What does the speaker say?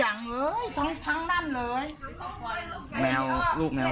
เอามาปล่อยเป็นครอบครัวเลยล่ะ